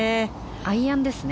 アイアンですね。